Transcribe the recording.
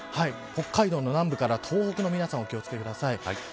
北海道の南部から東北の皆さんお気を付けください。